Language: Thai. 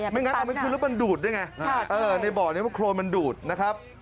ไม่งั้นมันคือมันดูดได้ไงในบ่อนี้มันโคลนมันดูดนะครับ